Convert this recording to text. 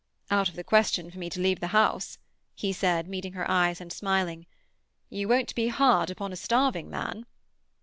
"Out of the question for me to leave the house," he said, meeting her eyes and smiling. "You won't be hard upon a starving man?"